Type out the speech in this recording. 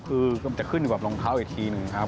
คือมันจะขึ้นอยู่กับรองเท้าอีกทีหนึ่งครับ